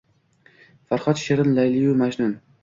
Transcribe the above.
Farhod-Shirin, Layli-yu Majnun